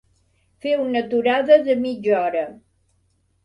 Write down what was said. Fer una aturada de mitja hora.